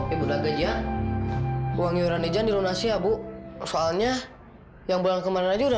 ibu tak gajian uang yuran izan dilunasi ya bu soalnya yang bulan kemarin aja sudah